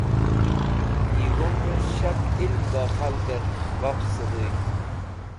Yig̃hũnrẽs̃h shak ilẽm bẽ khalgẽr baf sẽdhuyd.